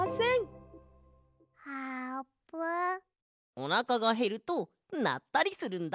おなかがへるとなったりするんだ。